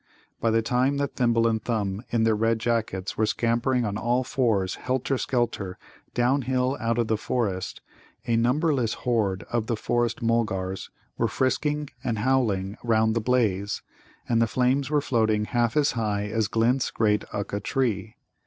By the time that Thimble and Thumb in their red jackets were scampering on all fours, helter skelter, downhill out of the forest, a numberless horde of the Forest mulgars were frisking and howling round the blaze, and the flames were floating half as high as Glint's great Ukka tree.